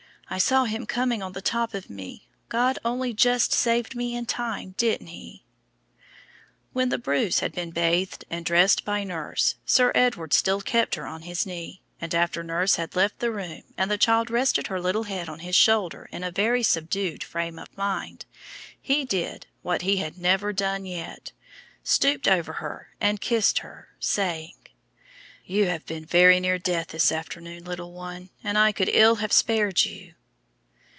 I saw him coming on the top of me. God only just saved me in time, didn't He?" When the bruise had been bathed and dressed by nurse, Sir Edward still kept her on his knee, and after nurse had left the room, and the child rested her little head on his shoulder in a very subdued frame of mind, he did, what he had never done yet stooped over her and kissed her, saying: "You have been very near death this afternoon, little one, and I could ill have spared you."